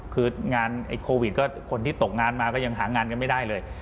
คืองานไอ้โควิดก็คนที่ตกงานมาก็ยังหางานกันไม่ได้เลย